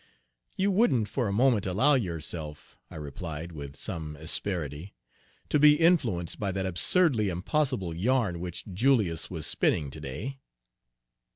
"You wouldn't for a moment allow yourself," I replied, with some asperity, "to be influenced by that absurdly impossible yarn which Julius was spinning to day?"